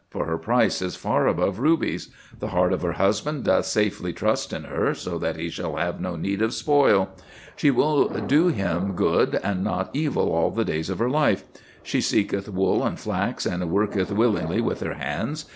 for her price is far above rubies. The heart of her husband doth safely trust in her, so that he shall have no need of spoil. She will do him good and not evil all the days of her life. She seeketh wool, and flax, and worketh willingly with her hands.